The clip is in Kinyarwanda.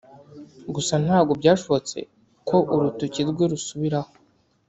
gusa ntabwo byashobotse ko urutoki rwe rusubiraho